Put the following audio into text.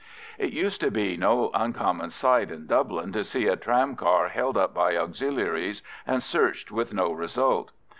It used to be no uncommon sight in Dublin to see a tram car held up by Auxiliaries and searched with no result.